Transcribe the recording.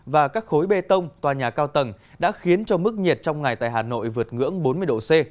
và các khối bê tông tòa nhà cao tầng đã khiến cho mức nhiệt trong ngày tại hà nội vượt ngưỡng bốn mươi độ c